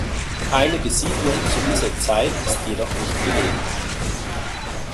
Eine Besiedlung zu dieser Zeit ist jedoch nicht belegt.